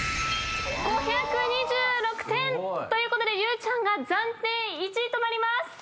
５２６点！ということでゆうちゃんが暫定１位となります！